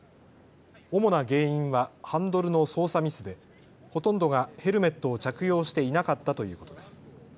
主な原因はハンドルの操作ミスでほとんどがヘルメットを着用していなかったということです。